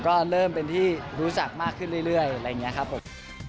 ก็เริ่มเป็นที่รู้จักมากขึ้นเรื่อยอะไรอย่างนี้ครับผม